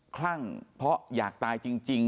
คลั่งเพราะอยากตายจริง